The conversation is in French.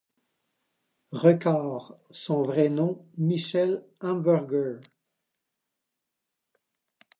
Records, son vrai nom, Michel Hamburger.